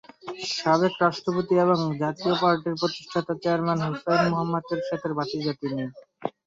সাবেক রাষ্ট্রপতি এবং জাতীয় পার্টির প্রতিষ্ঠাতা চেয়ারম্যান হুসেইন মুহাম্মদ এরশাদের ভাতিজা তিনি।